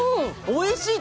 おいしい！